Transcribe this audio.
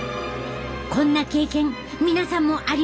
こんな経験皆さんもありませんか？